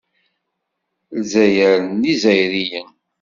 Lezzayer n Yizzayriyen.